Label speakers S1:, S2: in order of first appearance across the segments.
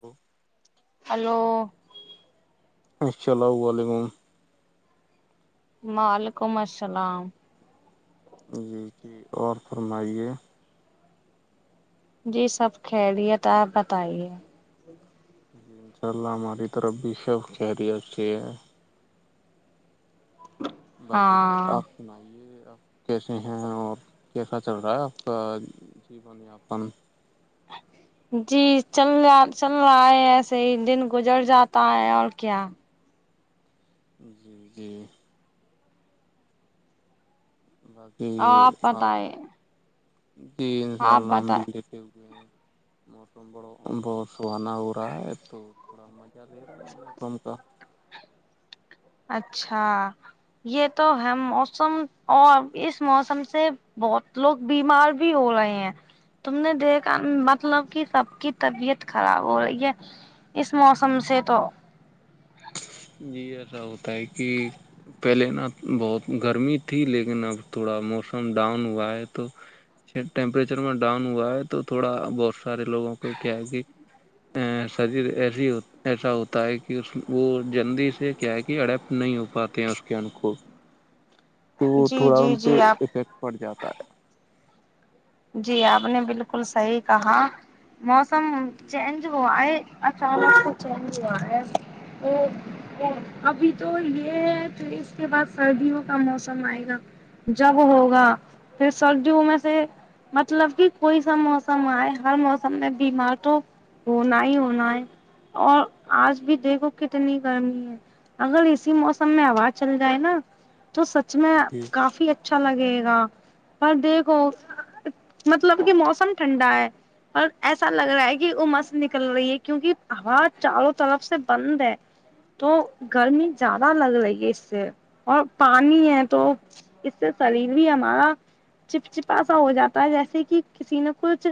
S1: تو
S2: ہلو
S1: السلام علیکم
S2: وعلیکم السلام
S1: جی جی اور فرمائیے
S2: جی سب خیریت آپ بتائیے
S1: ان شاء اللہ ہماری طرف بھی سب کہہری اچھی ہے باقی
S2: ہاں
S1: آپ سنائیے آپ کیسے ہیں اور کیسا چل رہا ہے آپ کا [unintelligible]
S2: [unintelligible] جی چل رہا چل رہا ہے ایسے ہی دن گزر جاتا ہے اور کیا
S1: جی جی بس
S2: آپ پت ہے
S1: جی انشاء اللہ ہم بھی
S2: بتائیں
S1: لیٹے ہوئے ہیں موسم بڑ بہت سہانا ہو رہا ہے تو تھوڑا مزہ لے رہے ہیں موسم کا
S2: اچھا یہ تو ہے موسم اور اس موسم سے بہت لوگ بیمار بھی ہو رہے ہیں تم نے دیکھا مطلب کہ سب کی طبیعت خراب ہو رہی ہے اس موسم سے تو
S1: جی ایسا ہوتا ہے کہ پہلے نا بہت گرمی تھی لیکن اب تھوڑا موسم ڈاؤن ہوا ہے تو ٹیمپریچر میں ڈاؤن ہوا ہے تو تھوڑا بہت سارے لوگوں کو کیا ہے کہ شریر ایسی ایسا ہوتا ہے کہ اس وہ جلدی سے کیا ہے کہ اڈپٹ نہیں ہو پاتے ہیں اس کے ان کوو تو
S2: جی
S1: تھوڑا
S2: جی
S1: ان پہ
S2: جی آپ
S1: افیکٹ پڑ جاتا ہے
S2: جی آپ نے بالکل صحیح کہا موسم چینج ہوا ہے اچانک کچھ گیا ہے یہ ابھی تو یہ ہے کہھر اس کے بعد سردیوں کا موسم آئے گا جب ہوگا پھر سردیوں میں سے مطلب کہ کوئی سا موسم آئے ہر موسم میں بیمار تو ہونا ہی ہونا ہے اور آج بھی دیکھو کتنی گرمی ہے اگر اسی موسم میں آواز چل جائے نا تو میں
S1: جی
S2: کافی اچھا لگے گا پر دیکھو مطلب کہ موسم ٹھنڈا ہے اور ایسا لگ رہا ہے کہ وہ مست نکل رہی ہے کیونکہ ہا چاروں طرف سے بند ہے تو گرمی زیادہ لگ رہی ہے اس سے اور پانی ہے تو اس سے شریر بھی ہمارا چپ چپا سا ہو جاتا تا جیسے کہ کسی نے کچھ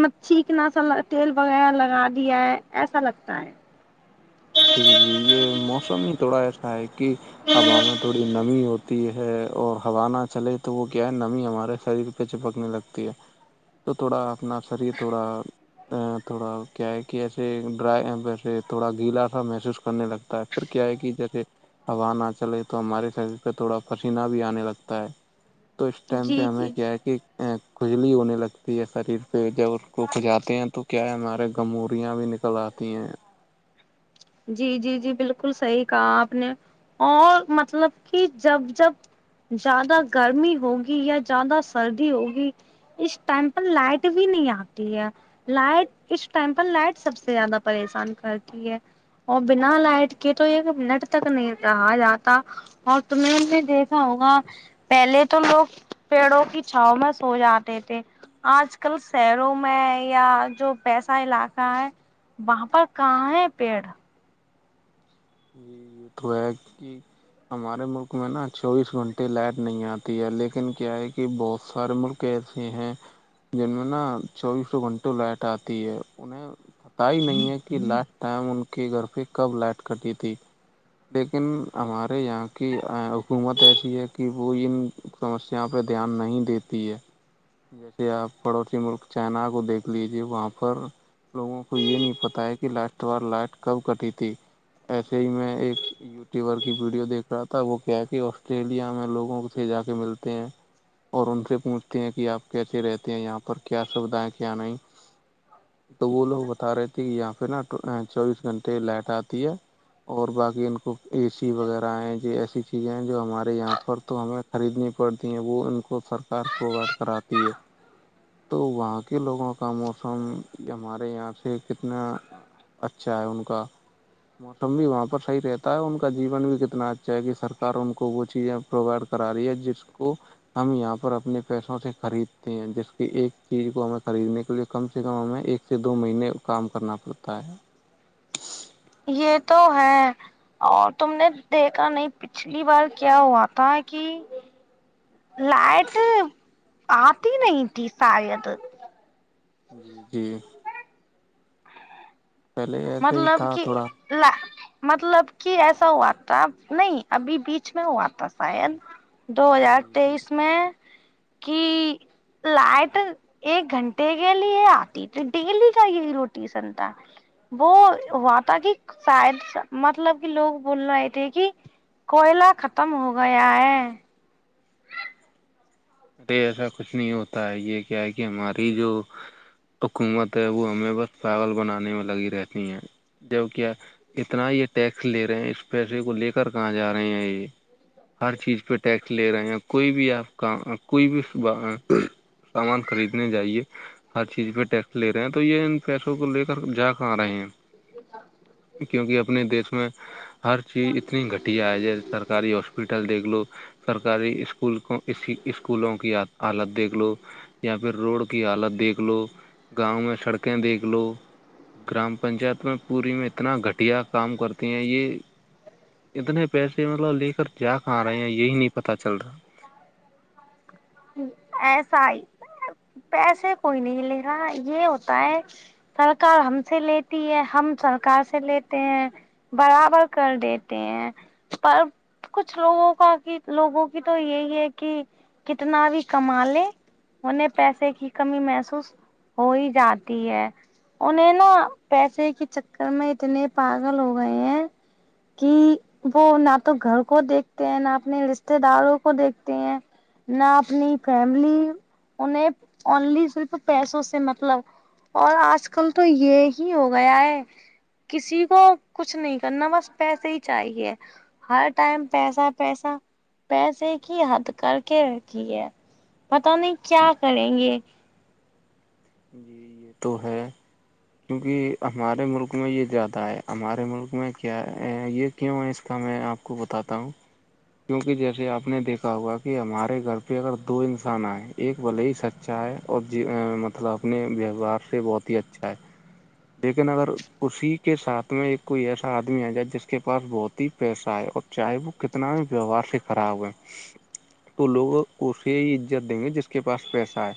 S2: م چھیکنا سا تیل وغیرہ لگا دیا ہے ایسا لگتا ہے
S1: جی جی یہ موسم ہی تھوڑا ایسا ہے کہ ہبامیں تھوڑی نمی ہوتی ہے ہے اور ہوا نہ چلے تو وہ کیا ہے نمی ہمارے شریر پہ چپکنے لگتی ہے تو تھوڑا اپنا اپثریے تھوڑا ا تھوڑا کیا ہے کہ ایسے ڈر ویسے تھوڑا گیلا محسوس کرنے لگتا ہے پھر کیا ہے کہ جیسے ہوا نہ چلے تو ہمارے شریر پہ تھوڑا پسینہ بھی آنے لگتا ہے تو اس ٹائم پہ
S2: جی
S1: ہمیں
S2: جی
S1: کیا ہے کہ کھجلی ہونے لگتی ہے شریر پھر جب اس کو کھجاتے ہیں تو کیا ہے ہمارے گموریاں بھی نکل آتی ہیں
S2: جی جی جی بالکل صحیح کہا آپ نے اور مطلب کہ جب جب زیادہ گرمی ہوگی یا زیادہ سردی ہوگی اس ٹائم پر لائٹ بھی نہیں آتی ہے لائٹ اس ٹائم پر لائٹ سب سے زیادہ پریشان کرتی ہے اور بنا لائٹ کے تو ایک منٹ تک نہیں رہا جاتا اور تمہ نے دیکھا ہوگا پہلے تو لوگ پیڑوں کی چھاؤ میں سو جاتے تھے آج کل شہروں میں یا جو پیسہ علاقہ ہے وہاں پر کہاں ہے پیڑ
S1: جی یہ ا تو ہے کہ ہمارے ملک میں نا چوبیس گھنٹے لائٹ نہیں آتی ہے لیکن کیا ہے کہ بہت سارے ملک ایسے ہیں جن میں نا چوبیسوں گھنٹوں لائٹ آتی ہے انہیں پت ہی نہیں ہے کہ لاسٹ ٹائم ان کے گھر پہ کب لائٹ کٹی تھی لیکن ہمارے یہاں کی حکومت ایسی ہے کہ وہ ان سمسیا پہ دھیان نہیں دیتی ہے
S2: [inaudible]
S1: جیسے آپ پڑوسی ملک چائنا کو دیکھ لیجے وہاں پر لوگوں کو یہ نہیں پتا ہے کہ لاسٹ وار لائٹ کب کٹی تھی ایسے ہی میں ایک یوٹیوبر کی ویڈیو دیکھ رہا تھا وہ کیا ہے کہ آسٹریلیا میں لوگوں سے جا کے ملتے ہیں اور ان سے پوچھتے ہیں کہ آپ کیسے رہتے ہیں یہاں پر کیا سویدھ ہے کیا نہیں تو وہ لوگ بتا رہے تھے کہ یہاں پہ نا چوبیس گھنٹے لائٹ آتی ہے اور باقی ان کو اے سی وغیرہ ہیں جو ایسی چیزیں ہیں جو ہمارے یہاں پر تو ہمیں خریدنی پڑتی ہیں وہ ان کو فر کار پرووائڈ کراتی ہے تو وہاں کے لوگوں کا موسم ہمارے یہاں سے کتنا اچھا ہے ان کا موسم بھی وہاں پر صحیح رہتا ان کا جیون بھی کتنا اچھا ہے کہ سرک ان کو وہ چیزیں پرووائڈ کرا رہی ہے جس کو ہم یہاں پر اپنے پیسوں سے خریدتے ہیں جس کی ایک چیز کو ہمیں خریدنے کے لیے کم سے کم ہمیں ایک سے دو مہینے ا کاام کرنا پڑتا ہے
S2: یہ تو ہے اور تم نے دیکھا نہیں پچھلی بار کیا ہوا تھا کہ لائٹ آتی نہیں تھی سات
S1: جی جی پہلے ایسے ہی
S2: مطلب
S1: تھا
S2: کہ
S1: تھوڑا
S2: ل مطلب کہ ایسا ہوا تھا نہیں ابھی بیچ میں ہوا تھا شاید دو ہزار
S1: جی جی
S2: تیئیس میں کی لائٹ ایک گھنٹے کے لیے آتی ت ڈیلی چاہے ت روٹی سنتا وہ
S1: جی
S2: ہوا تھا کہ شاید مطلب کہ لوگ بول رہ آئے تھے کہ کوئلہ ختم ہو گیا ہے
S1: ارے ایسا کچھ نہیں ہوتا ہے یہ کیا ہے کہ ہماری جو حکومت ہے وہ ہمیں بس پاگل بنانے میں لگی رہتی ہیں جب کیا اتنا یہ ٹیکس لے رہے ہیں اس پیسے کو لے کر کہاں جا رہے ہیں یہ ہر چیز پہ ٹیکس لے رہے ہیں کوئی بھی آپ کا کوئی بھی سامان خریدنے جاہے ہر چیز پہ ٹیکس لے رہے ہیں تو یہ ان پیسوں کو لے کر جا کے آ رہے ہیں کیونکہ اپنے دیس میں ہر چیز اتنی گھٹیا ہے جی سرکاری ہاسپٹل دیکھ لو سرکاری اسکول کو اسی اسکولوں کی حالت دیکھ لو یا پھر روڈ کی حالت دیکھ لو گاؤں میں سڑکیں دیکھ لو گرام پنچایت میں پوری میں اتنا گھٹیا کام کرتے ہیں یہ اتنے پیسے مطلب لے کر کیا کھا رہے ہیں یہی نہیں پتا چل رہا
S2: ایسا ہی پیسے کوئی نہیں لے گا یہ ہوتا ہے سرکار ہم سے لیتی ہے ہم سرکار سے لیتے ہیں برابر کر دیتے ہیں پر کچھ لوگوں کا کی لوگوں کی تو یہی ہے کہ کتنا بھی کما لے انیں پیسے کی کمی محسوس ہو ہی جاتی ہے انہیں نا پیسے کے چکر میں اتنے پاگل ہو گئے ہیں کہ وہ نہ تو گھر کو دیکھتے ہیں نہ اپنے رشتے داروں کو دیکھتے ہیں نہ اپنی فیملی انیں انلی صرف پیسوں سے مطلب اور آج کل تو یہ ہی ہو گیا ہے کسی کو کچھ نہیں کرنا بس پیسے ہی چاہیے ہر ٹائم پیسہ پیسا پیسے کی حد کر رکھی ہے پت نہیں کیا کریں گے
S1: جی یہ تو ہے کیونکہ ہمارے ملک میں یہ زیادہ ہے ہمارے ملک میں کیا ہے یہ کیوں اس کا میں آپ کو بتاتا ہوں کیوںکہ جیسے آپ نے دیکھا ہوا کہ ہمارے گھر پہ اگر دو انسان آئے ایک بلے ہی سچ اچھا ہے اور ج مطلب اپنے ویوہار سے بہت ہی اچھا ہے لیکن اگر اسی کے ساتھ میں ایک کوئی ایسا آدمی آ جائے جس کے پاس بہت ہی پیسہ ہےئے اور چاہے وہ کتنا بھی ویوہار سے خراب ہے تو لوگ اسے عزت دیں گے جس کے پاس پیسہ ہے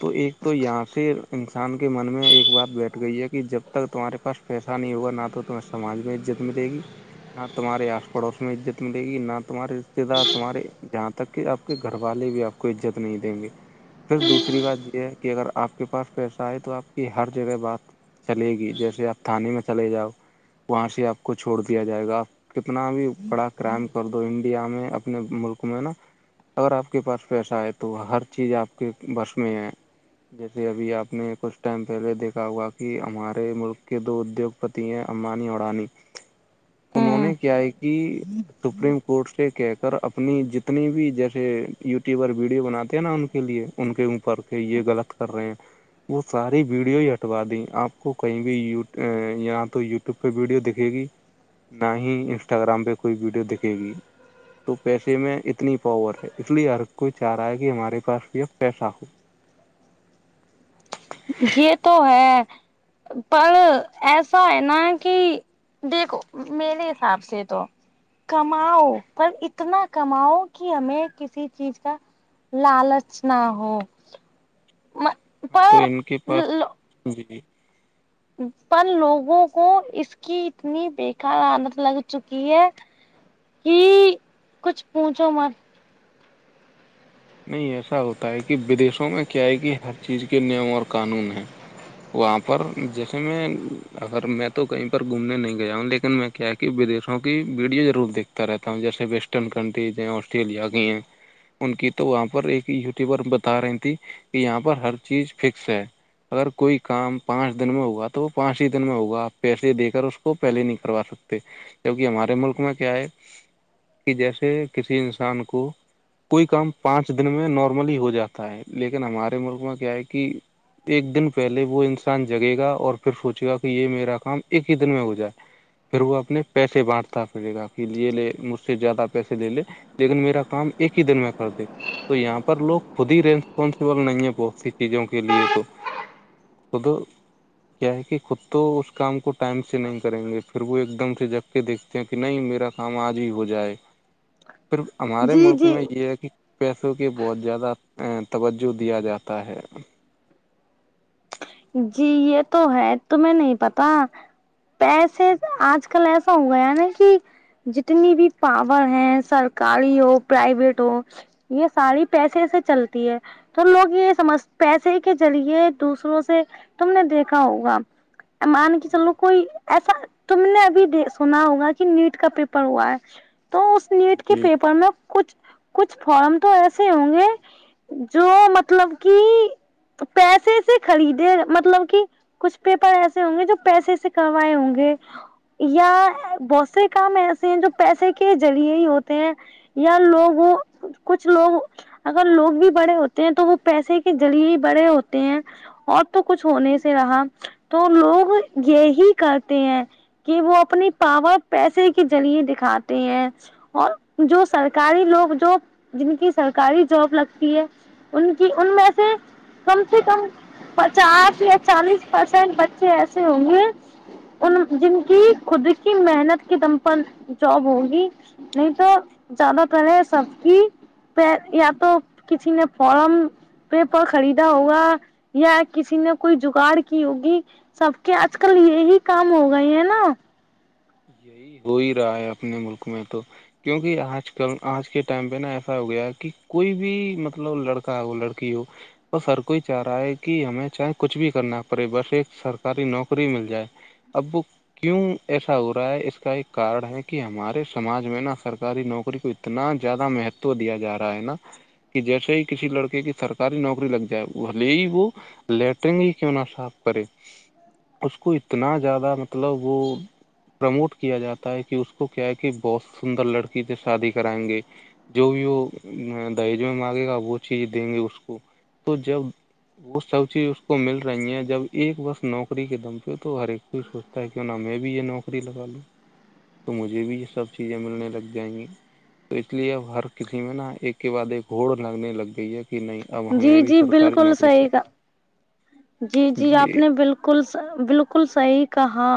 S1: تو ایک تو یا پھر انسان کے من میں ایک بات بیٹھ گئی ہے کہ جب تک تمہارے پاس پیسہ نہیں ہوا نہ تو تم سماج میں عزت ملے گی نہ تمہارے آس پڑوس میں عزت ملے گی نہ تمہارے رشتے دار تمہارے جہاں تک کہ آپ کے گھر والے بھی آپ کو عزت نہیں دیں گے پھر دوسری بات یہ ہے کہ اگر آپ کے پاس پیسائے تو آپ کی ہر جگہ بات چلے گی جیسے آپ تھانے میں چلے جاؤ وہاں سے آپ کو چھوڑ دیا جائے گا آپ کتنا بھی بڑا کرائم کر دو انڈیا میں اپنے ملک میں نا اگر آپ کے پاس پیسہ ہے تو ہر چیز آپ کے بس میں ہے جیسے ابھی آپ نے کچھ ٹائم پہلے دیکھا ہوا کہ ہمارے ملک کے دو ادیوگپتی ہیں امبانی اورانی
S2: [inaudible]
S1: انہوں نے کیا ہے کہ سپریم کورٹ سے کہہ کر اپنی جتنی بھی جیسے یوٹیوبر ویڈیو بناتے ہیں نا ان کے لیے ان کے اوپر کے یہ غلط کر رہے ہیں وہ ساری ویڈیو ہی ہٹوا دیں آپ کو کہیں بھی یہیااں تو یوٹیوب پہ ویڈیو دکھے گی نہ ہی انسٹاگرام پہ کوئی ویڈیو دکھے گی تو پیسے میں اتنی پاور ہے اس لیے ہر کوئی چاہ رہا ہے کہ ہمارے پاس بھی پیسہ ہو
S2: یہ تو ہے پر ایسا ہے نا کہ دیکھو میرے حساب سے تو کماؤ پر اتنا کماؤ کہ ہمیں کسی چیز کا لالچ نہ ہو م
S1: ہاں تو ان کے پاس جی
S2: پر لوگوں کو اس کی اتنی بےیکار عادت لگ چکی ہے کہ کچھ پوچھو مر
S1: نہیں ایسا ہوتا ہے کہ ودیشوں میں کیا ہے کہ ہر چیز کے نیم اور قانون ہیں وہاں پر جیسے میں اگر میں تو کہیں پر گھومنے نہیں گیا ہوں لیکن میں کیا ودیشوں کی ویڈیو ضرور دیکھتا رہتا ہوں جیسے ویسٹرن کنٹریز ہیں آسٹریلیا کی ہیں ان کی تو وہاں پر ایک یوٹیوبر بتا رہی تھی کہ یہاں پر ہر چیز فکس ہے اگر کوئی کام پانچ دن میں ہوگا تو وہ پانچ ہی دن میں ہوگا پیسے دے کر اس کو پہلے نہیں کروا سکتے کیکہ ہمارے ملک میں کیا ہے کہ جیسے کسی انسان کو کوئی کام پانچ دن میں نارملی ہی ہو جاتا ہے لیکن ہمارے ملک میں کیا ہے کہ ایک دن پہلے وہ انسان جگے گا اور پھر سوچے گا کہ یہ میرا کام ایک ہی دن میں ہو جائے پھر وہ اپنے پیسے بانٹتا پڑے گا کہھر لے لے مجھ سے زیادہ پیسے لے لے لیکن میرا کام ایک ہی دن میں کر د تو یہاں پر لوگ خود ہی ریسپونسبل نہیں ہے بہت سی چیزوں کے لیے تو خود کیا ہے کہ خود تو اس کام کو ٹائم سے نہیں کریں گے پھر وہ ایک دم سے جپ کے دیکھتے ہیں کہ نہیں میرا کام آج ہی ہو جائے پر ہمارے
S2: جی
S1: ملک
S2: جی
S1: میں یہ ہے کہ پیسوں کی بہت زیادہ توجہ دیا جاتا ہے
S2: جی یہ تو ہے تمہیں نہیں پتا پیسے آج کل ایسا ہو گیا نا کہ جتنی بھی پاور ہے سرکاری ہو پرائیویٹ ہو یہ ساری پیسے سے چلتی ہے تو لوگ یہ سمجھ پیسے کے ذریعے دوسروں سے تم نے دیکھا ہوگا مان کے چلو کوئی ایسا تم نے ابھی د سنا ہوگا کہ نیٹ کا پیپر ہوا ہے تو اس نیٹ کے
S1: جی
S2: پیپر میں کچھ کچھ فارم تو ایسے ہوں گے جو مطلب کہ پیسے سے خریدے مطلب کہ کچھ پیپر ایسے ہوں گے جو پیسے سے کروائے ہوں گے یا بہت سے کام ایسے ہیں جو پیسے کے ذریعے ہی ہوتے ہیں یا لوگ وہ کچھ لوگ اگر لوگ بھی بڑے ہوتے ہیں تو وہ پیسے کے ذریعے ہی بڑے ہوتے ہیں اور تو کچھ ہونے سے رہا تو لوگ یہی کرتے ہیں کہ وہ اپنی پاور پیسے کے جریعے دکھاتے ہیں اور جو سرکاری لوگ جو جن کی سرکاری جاب لگتی ہے ان کی ان میں سے کم سے کم پچاس یا چالیس پرسینٹ بچے ایسے ہوں گے ان جن کی خود کی محنت کے دم پرن جاب ہوگی نہیں تو زیادہ تر ہے سب کی پ یا تو کسی نے فارم پےپر خریدا ہوا یا کسی نے کوئی جگاڑ کی ہوگی سب کے آج کل یہی کام ہو گئے ہیں نا
S1: یہی ہو ہی رہا ہے اپنے ملک میں تو کیونکہ آج کل آج کے ٹائم پہ نا ایسا ہو گیا ہے کہ کوئی بھی مطلب لڑکا ہو لڑکی ہو بس ہر کوئی چاہ رہا ہے کہ ہمیں چاہے کچھ بھی کرنا پڑے بس ایک سرکاری نوکری مل جائے ابو کیوں ہو رہا ہے اس کا ایک کارن ہے کہ ہمارے سماج میں نا سرکاری نوکری کو اتنا زیادہ مہتو دیا جا رہا ہے نا کہ جیسے ہی کسی لڑکے کی سرکاری نوکری لگ جائے بلے ہی وہ لیٹرنگ ہی کیوں نہ صاف کرے اس کو اتنا زیادہ مطلب وہ پرموٹ کیا جاتا ہے کہ اس کو کیا ہے کہ بہت سندر لڑکی سےے شادی کرائیں گے جو بھی وہ دائج میں مانگے گا وہ چیز دیں گے اس کو تو جب وہ سب چیز اس کو مل رہی ہیں جب ایک بس نوکری کے دم پہ تو ہر ایک چز تاک نہ میں بھی یہ نوکری لگا لوں تو مجھے بھی یہ سب چیزیں ملنے لگ جائیں گی تو اس لیے اب ہر کسی میں نا ایک کے بع ایک ہوڑ لگنے لگ گئی ہے کہ نہیں اب ہمیں
S2: جی
S1: بھی
S2: جی
S1: سرکاری
S2: بالکل
S1: نوکری
S2: صحیح گ
S1: چاہیے
S2: جی جی آپ نے بالکل بالکل بالکل صحیح کہا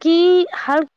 S2: کہ ہر